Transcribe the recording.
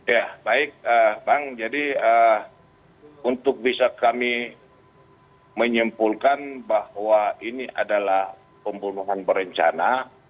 ya baik bang jadi untuk bisa kami menyimpulkan bahwa ini adalah pembunuhan berencana